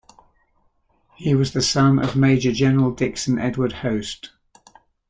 He was the son of Major General Dixon Edward Hoste.